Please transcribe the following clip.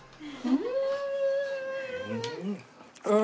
うん！